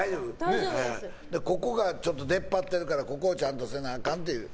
ここが出っ張っているからここをちゃんとせなあかんという。